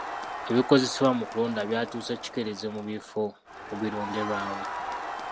Ebikozesebwa mu kulonda byatuuse kikeerezi mu bifo ebironderwamu.